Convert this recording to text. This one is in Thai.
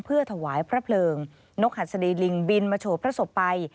เพื่อถวายพระเพลิงนกหัสดีลิงบินมาโชว์พระศพไป